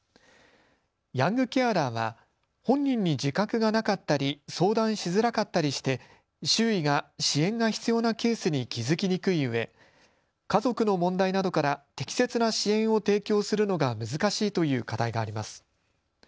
ヤングケアラーは本人に自覚がなかったり相談しづらかったりして周囲が支援が必要なケースに気付きにくいうえ家族の問題などから適切な支援を提供するのが難しいという課題があります。